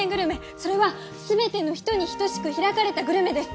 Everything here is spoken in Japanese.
それはすべての人に等しく開かれたグルメです。